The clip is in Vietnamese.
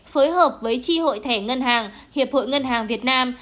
phối hợp với tri hội thẻ ngân hàng hiệp hội ngân hàng việt nam